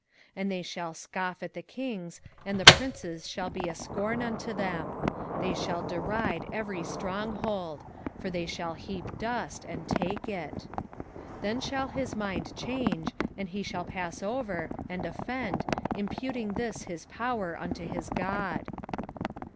1:10 And they shall scoff at the kings, and the princes shall be a scorn unto them: they shall deride every strong hold; for they shall heap dust, and take it. 1:11 Then shall his mind change, and he shall pass over, and offend, imputing this his power unto his god.